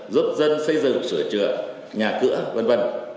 giúp dân xây dựng sửa chữa nhà cửa v v